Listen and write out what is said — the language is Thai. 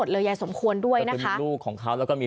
ทั้งหลวงผู้ลิ้น